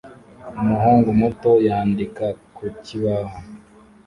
Umuhungu muto yandika ku kibaho